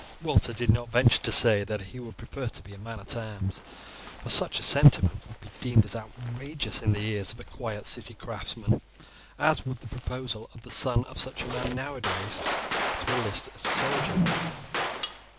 Walter did not venture to say that he would prefer to be a man at arms, for such a sentiment would be deemed as outrageous in the ears of a quiet city craftsman as would the proposal of the son of such a man nowadays to enlist as a soldier.